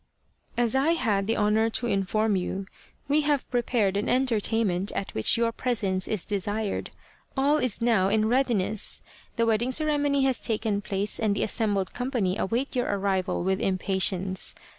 " As I had the honour to inform you, we have pre pared an entertainment at which your presence is desired. All is now in readiness. The wedding cere mony has taken place and the assembled company await your arrival with impatience.